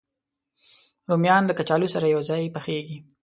رومیان له کچالو سره یو ځای پخېږي